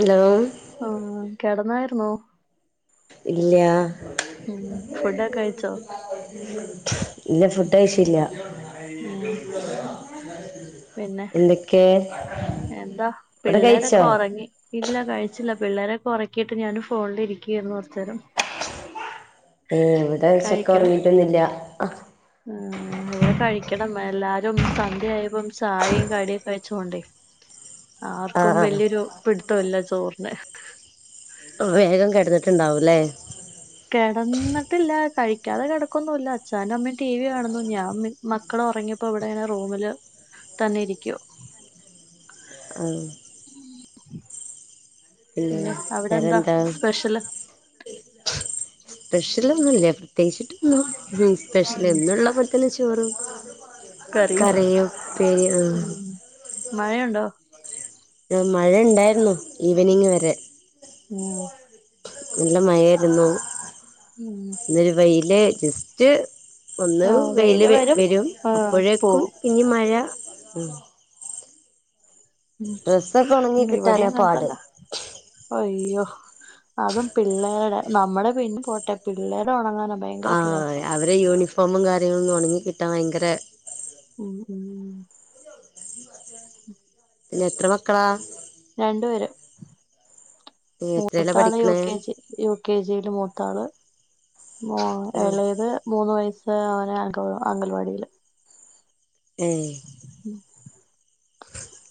Hello ആഹ് കെടന്നായിരുന്നോ ഇല്യാ മ്മ്ഹ് ഫുടൊക്കെ കഴിച്ചോ ഇല്ല ഫുഡ് കഴിച്ചില്ല [inaudible] ഉം പിന്നെ എന്തെക്കേ എന്താ പിള്ളേരൊക്കെ ഒറങ്ങി ഇല്ല കഴിച്ചില്ല പിള്ളേരൊക്കെ ഒറക്കിയിട്ട് ഞാനും ഫോണിലിരിക്കായിരുന്നു കുറച്ചേരം ഏ ഇ വിടെ ഈ ചെക്കോർങ്ങീട്ടൊന്നില്ല ആ ഇവിടെ കഴിക്കണം എല്ലാരും സന്ധ്യായപ്പം ചായും കടിയൊക്കെ കഴിച്ചോണ്ടേ ആ ആർക്കും ആ വല്ല്യരു പിട്തൊല്ല ചോറിന് വേഗം കെടന്നിട്ടുണ്ടാവൂല്ലേ കിടന്നിട്ടില്ല കഴിക്കാതെ കിടക്കൊന്നൂല്ല അച്ഛാനും അമ്മയും ടി വി കാണുന്നു ഞാൻ പി മക്കൾ ഉറങ്ങിയപ്പോ ഇവിടെ റൂമില് തന്നെ ഇരിക്കുവ ആഹ് പിന്നെ അവിടെ എന്താ സ്പെഷ്യല് സ്പെഷ്യല ഒന്നുംല്ലേ പ്രത്യേകിച്ചിട്ടൊന്നും സ്പെഷ്യൽ ഉം എന്നുള്ള പൊ ലെ ച്ചോറും കറിയും ഉപേരിയും ഉം മഴയുണ്ടോ മഴ ഉണ്ടായിരുന്നോ ഈവനിംഗ് വരെ ഉം നല്ല മയായിരുന്നു ഉം ഇന്നൊരു വെയില് ജസ്റ്റ് ഒന്ന് വെയില് വരും ആഹ് അപ്പോഴേക്കും പോകും ഇനി മഴ ഡ്രസ്സൊക്കെ ഉണങ്ങി ഉം ഇവടിം കിട്ടാനാ പാട് അങ്ങൻതന്ന അയ്യോ അതും പിള്ളേരുടെ നമ്മുടെ പിന്നെ പോട്ടെ പിള്ളേടെ ഉണങ്ങാന ഭയങ്കര പ്രയാസം ഇത യൂനിഫോംമും കാര്യങ്ങളും ഒണങ്ങി ക്കിട്ടാ ഭയങ്കര ഉം ഉം പിന്നെ എത്ര മക്കളാ രണ്ടുപേരും എത്രേലാ മൂത്താള് പഠിക്കണേ യുകെജി യു കെ ജിയില് മൂത്താള് മ ആഹ് ഏളെത് മൂന്ന് വയസ്സ് അവന അങ്ക അംഗൽവാടിയില് ഏ ഉം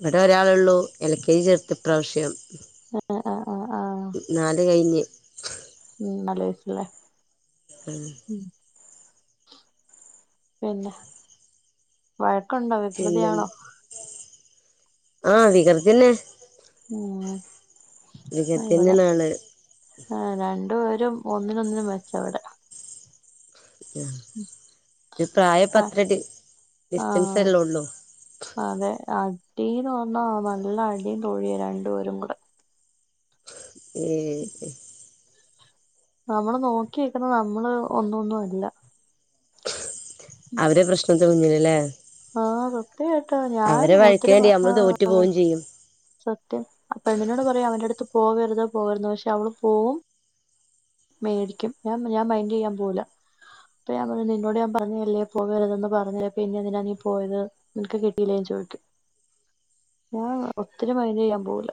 ഇവിടെ ഒരാളള്ളു എൽ കെ ജി ചേർത്ത് ഇപ്രാവശ്യം ആ ആ നാല് കഴിഞ്ഞ് ഉം നല്ല വയസല്ലേ ഉം ഉം പിന്നെ വഴക്കുണ്ടോ പിന്നെ വികൃതിയാണോ ആഹ് വികൃത്തിന്നെ ഉം ആ ഇവിടെ വികൃതിന്നെയാണ് ആള് ആ രണ്ടു പേരും ഒന്നിനൊന്നിനും മെച്ചാ ഇവടെ ആ ഇത് പ്രായപ്പം ആഹ് അത്ര ഡി ആഹ് ഡിസ്റ്റൻസല്ലേ ഒള്ളൂ അതെ അടീന്ന് വന്നാ നല്ല അടിയും തൊഴിയാ രണ്ടുപേരും കൂടെ ഏ എ നമ്മള് നോക്കിക്കുന്ന നമ്മള് ഒന്നൊന്നും അല്ല അവരെ പ്രശ്നത്തെ മുന്നില്‌ ല്ലേ ആഹ് സത്യകേട്ടോ ഞാൻ വഴക്കിന് മൂത്തിരി വേണ്ടി ആ നമ്മള് തോറ്റു പോവും ചെയ്യും സത്യം പെണ്ണിനോട് പറയും അവൻറ ടുത്ത് പോകരുത് പോകരുത് പക്ഷെ അവള് പോവും മേടിക്കും ഞ ഞാൻ മൈന്റ് ചെയ്യാൻ പോവൂല്ല അപ്പൊ ഞാൻ പറഞ്ഞു നിന്നോട് ഞാൻ പറഞ്ഞതല്ലേ ഫോളോ ചെയ്യരുതെന്ന് പറഞ്ഞതല്ലേ പിന്നെ എന്തിനാ നീ പോയത് ഇൻക്ക് കിട്ടീല്ലേ ചോയിക്കും ഞാൻ ഒത്തിരി മൈൻഡ് ചെയ്യാ പോവൂല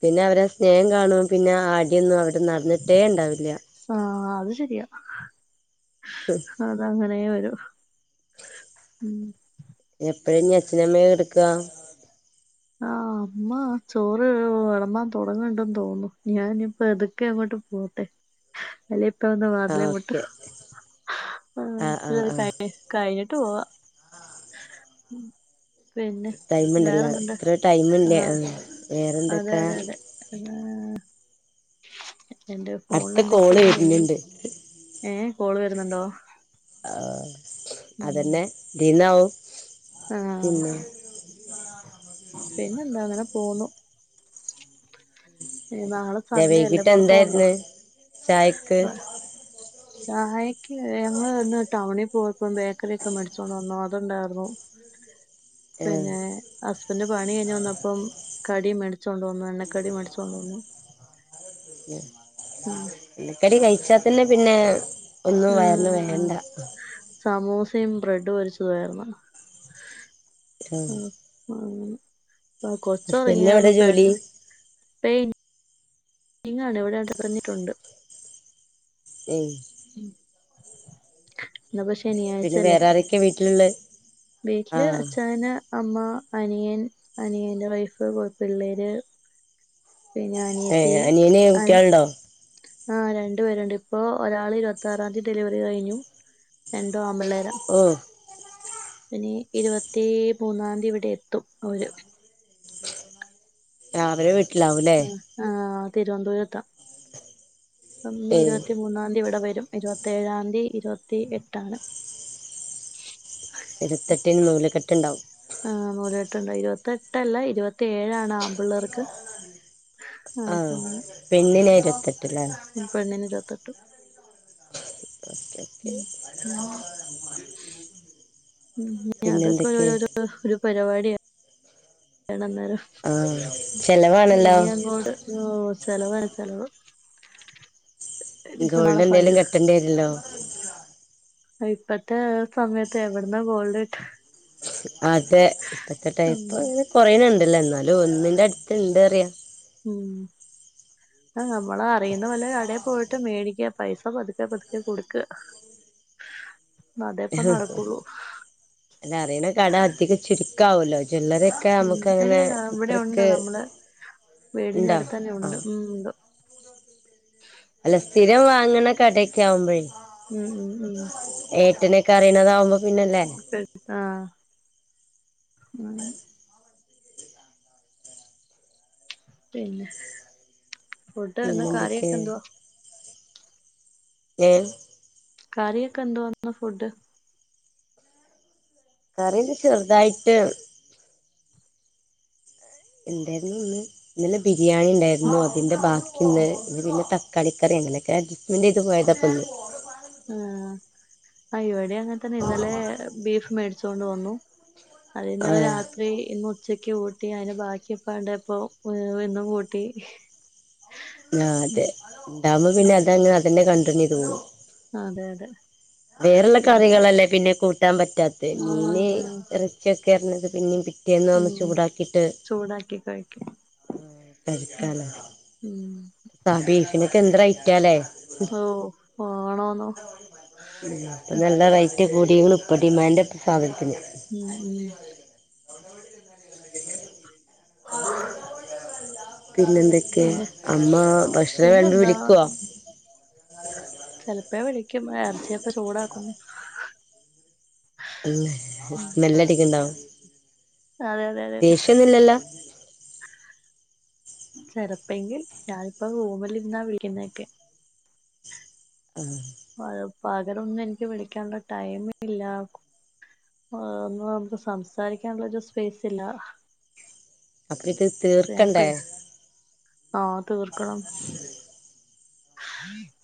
പിന്നെ അവരെ സ്നേഹം കാണുമ്പം പിന്നെ അടിയൊന്നും അവിടെ നടന്നിട്ടേ ണ്ടാവില്ല സാ അത് ശരിയാ ഹ് അത്അങ്ങനെ വരു എപ്പഴാ ഞ്ഞ് അച്ഛനമ്മേ കെടക്കാ ആഹ് അമ്മ ചോറ് വിളമ്പാ തൊടങ്ങ്ട്ട് തോന്നുന്നു ഞാനി പെതുക്കെ അങ്ങോട്ട് പോട്ടെ അല്ല ഇപ്പ വന്ന് വതിലേ ആഹ് മുട്ടും ഓക്കെ ആഹ് കഴിഞ്ഞിട്ട് പോവാ പിന്നെ ടൈമ്ണ്ടല്ലോ വേറെന്തുണ്ട് ഇത്ര ടൈമ് ഇല്ലേ ആഹ് അതെ വേറെന്തൊക്കാ അതെ അതെ എന്റെ ഫോണിൽ അടുത്ത കോള് എന്തൊക്കെയോ വരുന്നുണ്ട് ഏ കോള് വരുന്നുണ്ടോ ആ ഉം അതന്നെ ഇന്നീയാവും ആഹ് പിന്നെ പിന്നെ എന്താ അങ്ങനെ പോന്നു ഏ, നാളെ സൺഡേ അല്ലേ വൈകിട്ട് പുറത്ത് പോവ്ണ്ടോ എന്താരിന്ന് ചായക്ക് ചായക്ക് ഞങ്ങള് ഇന്ന് ടൗണി പോയപ്പോ ബേക്കറി ഒക്കെ മേടിച്ചോണ്ട് വന്നു അതുണ്ടായിരുന്നു ആഹ് പിന്നെ ഹുസ്ബന്റ പണി കഴിഞ്ഞ് വന്നപ്പം കടിയും മേടിച്ചോണ്ട്‌ വന്നു എണ്ണക്കടി മേടിച്ചോണ്ട് വന്നു ഉം എണ്ണക്കടി കഴിച്ചാ തന്നെ പിന്നെ ഒന്നും വയറിന് ആഹ് വേണ്ട സമോസയും ബ്രെഡും പൊരിച്ചതും ആഹ് ആഹ് ആഹ് കൊച്ച് ഹസ്ബൻഡിന് എവിടെ ഉറങ്ങിയായിരുന്നു പെ ജോലി പെയ് ന്റിങ്ങാണ് ഇവിടെ അ [unintelligible] പറഞ്ഞിട്ടുണ്ട്. ഉം ഇന്നിപ്പ ശനിയാഴ്ച്ചല്ലേ അരൊക്കെ വീട്ടില്ള്ളെ വീട്ടില് അച്ചായന് അമ്മ അനിയൻ അനിയന്റെ വൈഫ് പിള്ളേര് പിന്നെ ഏ അനിയത്തി അനിയന് കുട്ടിയള്ണ്ടോ ആഹ് രണ്ട് പേരുണ്ട് ഇപ്പോ ഒരാള് ഇരുവത്താറാതി ഡെലിവറി കഴിഞ്ഞു രണ്ടും ആൺപ്പിള്ളേരാ ഓഹ് പിന്നെ ഇരുപത്തി മൂന്നാംന്തി ഇവിടെ എത്തും അവര് രാവിലെ വിട്ട് ആഹ് തിരുവനന്തപുരത്ത അപ്പം ഉം ഇരുപത്തി മൂന്നാംന്തി ഇവിടെ വരും ഇരുപത്തി ഏഴാംന്തി ഇരുപത്തി എട്ടാണ് ഇരുത്തെട്ടിന് നൂലുക്കെട്ട് ഉണ്ടാവും ആഹ് നൂലുട്ടക്കെട്ടുണ്ട് ഇരുപത്തെട്ടല്ല ഇരുപത്തി ഏഴാണ് ആമ്പിള്ളേർക്ക് ആ ആഹ് പോണെ പെണ്ണിനെ ഇരുപത്തെട്ടല്ലേ പെണ്ണിന് ഇരുവത്തെട്ട് ഓക്കെ ഓക്കെ ഇനി പിന്നെ അതൊക്കെ എന്തൊക്കെ ഒരഒരു ഒരു പരിപാടിയന്നേരം ആഹ് ചെലവാണല്ലോ അങ്ങോട്ട് ഓ ചെലവാ ചെലവ് ഇനിയിപ്പോ നാളെ ഗോൾഡ് പഴ എന്തേലും കെട്ടേണ്ടി വരുല്ലോ അത് ഇപ്പത്തെ സമയത്ത് എവിട്ന്നാ ഗോൾഡ് കിട്ടാ അതെ ഇപ്പത്തെ ഉം ടൈമ് കൊറണ് ഇണ്ട്ല്ലോ എന്നാലും ഒന്നിന്റെ അടുത്ത് ഉണ്ടന്ന് അറിയ ഉം ആഹ് നമ്മളെ അറിയുന്ന വല്ല കടേപോയിട്ട് മേടിക്ക പൈസ പതുക്കെ പതുക്കെ കൊടുക്ക അതേ ഇപ്പ നടക്കൊള്ളൂ അഹ് അറിയണ കട അധികം ചുരുക്കാവല്ലോ ജ്വല്ലറി ക്കെ ഉം നമുക്ക് അങ്ങനെ ഇല്ലല്ല ഇവിടെ ഉണ്ട് ഇത്രക്ക് നമ്മള് വീടിന്റെ ഉണ്ടോ അടുത്ത് തന്നെ ഉണ്ട് ആഹ് ഉം ഉണ്ട് അല്ല സ്ഥിരം വാങ്ങ്ണ കടയൊക്കെ യാകുബോയെ ഉം ഉം ഉം ഏട്ടനൊ കറിണതാവുമ്പോ ആഹ് പിന്നെ ഫുഡ് പിന്നെന്തൊക്കെ കറിയൊക്കെ എന്തുവാ ഏഹ് കറിയൊക്കെ എന്തുവാ ഫുഡ് കറിന്റെ ചെർതായിട്ട് ന്തായിര്ന്നന്ന് ന്ന് ന്നലെ ബിരിയാണി ണ്ടായിരുന്നു അതിന്റെ ബാക്കിന്ന് പിന്നെ ത കളിക്കറി എങ്ങനൊക്കെ അഡ്സ്മെന്റ് ചെയ്ത് പോയതാ പന്ന് ഉം ആ ഇവിടെ അങ്ങൻത്തെന്നെ ഇന്നലെ ബീഫ് മേടിച്ചോണ്ട് വന്നു അതെന്നലെ രാ ആഹ് ത്രി ഇന്ന് ഉച്ചക്ക് കൂട്ടി അയിന് ബാക്കിയപ്പാണ്ടപ്പൊ ഇന്നും കൂട്ടി ഹി ആ അതെ ണ്ടാവുമ്പോ പിന്നെ ഉം. അതങ്ങനെ അതന്നെ കണ്ടിന്യു ചെയ്ത് പോവും അതെ അതെ വേറള്ള പിന്നെ കറികളല്ലേ പിന്നെ കൂട്ടാൻ പറ്റാത്തെ മീന് ആ ഇറ ച്ചൊക്കെഞ്ഞത് പിന്നിം പി റ്റെന്ന് ഒന്ന് ഉം ചൂടാക്കിട്ട് ചൂടാക്കി കഴിക്കും കഴിക്കാലോ ഇമ് സാബീഷിനൊക്കെ എന്ത് റൈറ്റാലേ ഓ ആണോന്നോ പ്പം ഉം നല്ല റേറ്റ് കൂടിക്ക്ണ്‌പ്പം ഡിമാൻഡ് പ്പ സാധൻത്തിന് ഉം ഉം [unintelligible] പിന്നെന്തൊക്കെ പിന്നെ അമ്മ ഭക്ഷണം വേൾമ്പി പിന്നെന്താ വിളിക്ക്യോ ചെൽപ്പെ വിളിക്കും എർച്ചി ഒക്കെ ചൂടാക്കുംന്നു ഉം ഉം സ്മെല്ലടിക്കണ്ടോ അതെ അതെ അതെ അതെ ഹ് ത് ല്ല ല്ലോ ചെലപ്പെങ്കിൽ ഞാനിപ്പ റൂമിലിരി ന്നാ വിളിക്കിന്നൊക്കെ ആ പ പകലൊന്നും ൻക്ക് വിൾക്കാൻള്ള ടൈമ് ല്ല ഓഹ് ങ്ങൾന്ന് സംസാരിക്കാള്ളെരു സ്പേസ് ല്ലാ അപ്പ ത് തീർക്കണ്ടേ ആഹ് തീർക്കണം ഹ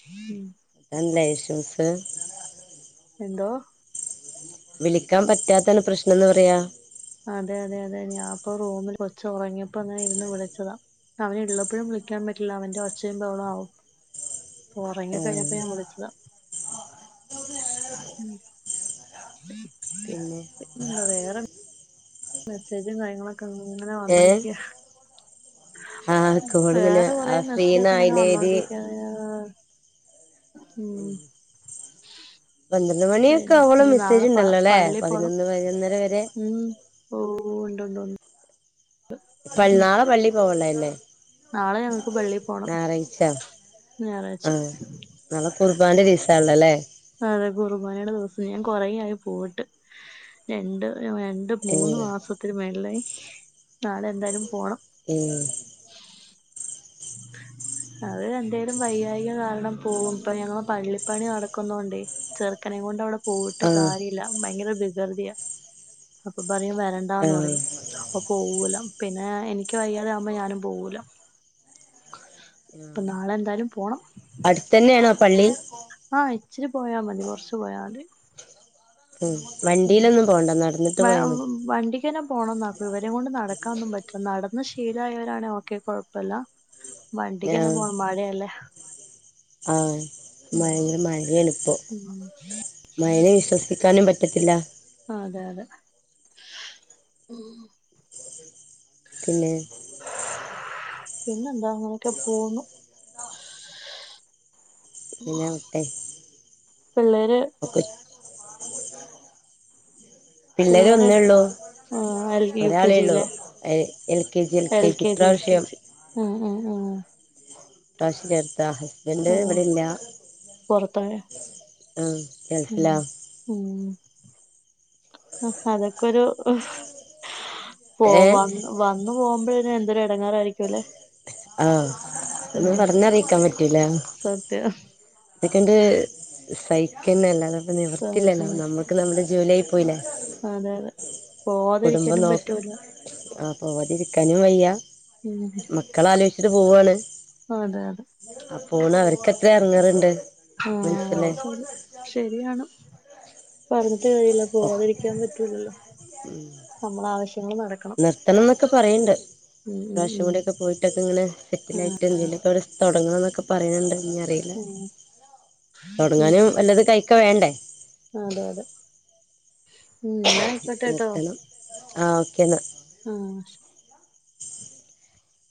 മ് എന്ത ഇഷ്യൂസ് എന്തോ വിളിക്കാൻ പറ്റാത്താണ് പ്രശ്നംന്ന് പറയാ അതെ അതെ അതെ ഞാൻപ്പൊ റൂമിൽ കൊച്ച് ഒറങ്ങിയപ്പോങ്ങനെ ഇരുന്ന് വിളിച്ചതാ അവൻ ഇള്ളപ്പോഴും വിളിക്കാൻ പറ്റില്ല അവന്റെ ഒച്ചയും ബഹളും ആവും ഓറങ്ങി ആഹ് കഴിഞ്ഞപ്പോ ഞാൻ വിളിച്ചതാ പിന്നെ പിന്നെന്താ വേറെ മെസ്സേജും കാര്യങ്ങളൊക്കെ ങ്ങനെ വന്നോണ്ടിരിക്ക ആ കോൾ ങ്ങനെ വേറെ കൊറേ ആ മെസ്സേജ് ഒക്കെ ഇങ്ങനെ ഫ്രീന്നായ്ന്നെ ന്ന് ഇമ് പന്ത്രണ്ട് മണിയൊക്കെ പിന്നെ ആവോളം ഇനി നാളെ മെസ്സേജ് പ ണ്ടല്ലോല്ലെ പള്ളി പോണം പതിനൊന്ന് പതിനൊന്നര വരെ ഉം ഓ ഉണ്ടോണ്ടോ പൾ നാളെ പള്ളി പോവാള്ളതല്ലേ ള്ളേ? നാളെ ഞങ്ങക്ക് പള്ളി പോണം ഞാറാഴ്ച ഞായറാഴ്ച ആഹ് നാളെ കുർബാൻ്റെ ദീസാണല്ലോ ല്ലെ അതെ കുർബാനയുടെ ദിവസ ഞാൻ കൊറെ ആയി പോയിട്ട് രണ്ട് ട്ട് മൂന്ന് ഏഹ് മാസത്തിന് മേൾളായി നാളെ എന്തായാലും പോണം ഇമ് ഹ അത് എന്തേലും വയ്യായ്ക കാരണം പോവും പ്പ ഞങ്ങള് പള്ളിപ്പണി നടക്കുന്നൊണ്ടേ ചെറുക്കനെ കൊണ്ട് അവിടെ പോയിട്ട് ആഹ് കാര്യല്ല ഭയങ്കര വികൃതിയ അപ്പൊ പറയും വരണ്ടാന്ന് ആഹ് പറയും അപ്പൊ പോവൂല പിന്നെ എനിക്ക് വയ്യാതെ ആവുമ്പോ ഞാനും പോവൂല പ്പം നാളെ എന്തായാലും പോണം അടുത്ത്ന്നെയാണോ പള്ളി ആഹ് ഇച്ചിരി പോയാ മതി കൊറച്ച് പോയാ മതി ഉം ഉം വണ്ടിയിലൊന്നും പോണ്ട നടന്നിട്ട് പോയാ മതി ക്കന്നെ പോണം ന്നാക്കും ഇവരെ കൊണ്ട് നടക്കാനൊന്നും പറ്റില്ല നടന്ന് ശീലായവരാണേ ഒക്കെ കുഴപ്പല്ല വണ്ടിക്കന്നെ ആഹ് പോണം മഴയല്ലേ ആഹ് ഉം ഭയങ്കര മഴയാണ് ഇപ്പോ ഉം മയനെ വിശ്വസിക്കാനും പറ്റത്തില്ല ആ അതെ അതെ പിന്നെ പിന്നെന്താ അങ്ങനെയൊക്കെ പോവുന്നു പിന്നെ ആവട്ടെ പിള്ളേര് ഒ [unintelligible] പിള്ളേര് പിള്ളേരെ ഒന്നേ ള്ളൂ എൽ യു കെ ഒരാളേള്ളു ജിയിലെ എഎൽ K G L K G ഇപ്രാവ്ശ്യം ഉം ഉം ഉം കാശ് ചേർത്താ ഹസ്ബൻഡ് ഉം ഇവിടെല്ലാ പുറത്തായ ആ ഉം ഗൾഫിലാ ഉം ആ അതൊക്കൊരു ഏഹ് പോവാ വന്ന് വന്നു പോകുമ്പോഴെന്നെ എന്തൊരു എടങ്ങാറായിരിക്കുംല്ലെ ആ അതൊന്നും പറഞ്ഞറിയിക്കാൻ പറ്റൂല സത്യം അതൊക്കെണ്ട് സഹിക്കന്നെ അല്ലാതെ പ്പം സ നിവർത്തില്ലല്ലോ നമ്മ ക്ക് നമ്മുടെ ജോലിയായി പോയില്ലേ അതെ അതെ കുടുംബം പോവാതിരിക്കാനും നോ പറ്റൂല ആ പോവാതിരിക്കാനും വയ്യാ ഉം മക്കള ആലോയിച്ചിട്ട് പോവാണ് അതെ അതെ ആ പോണ അവർക്ക്ത്ര എടറങ്ങേറ്ണ്ട് ഉം അത്ശേരി ശരിയാണ്. പറഞ്ഞിട്ട് കാര്യല്ല പോവാതെരിക്കാൻ പറ്റൂലല്ലോ നമ്മള ആവശ്യങ്ങൾ നടക്കണം. [unintelligible] എന്നൊക്കെ പറയിണ്ട് ഉം ഉം [unintelligible] ഉം പോയിട്ട്. മുറ്റത്തിങ്ങനെ സെറ്റിലായിയിട്ട് എന്തെകിലൊക്കെ തൊടങ്ങണം എന്നൊക്ക പറയുന്നുണ്ട് ഇനി അറി ഇല്ല, ഉം ഉം തുടങ്ങാനും വല്ലതും കൈക്ക വേണ്ടേ. അതെ അതെ ഇന്നാ ആയിക്കോട്ടേട്ടോ. ആഹ് ഓക്കെ എന്നാ ഉം ശെരി